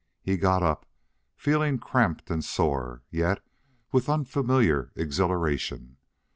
He got up, feeling cramped and sore, yet with unfamiliar exhilaration.